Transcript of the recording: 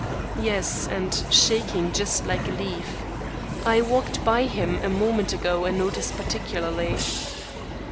"Yes, and shaking just like a leaf. I walked by him a moment ago and noticed particularly."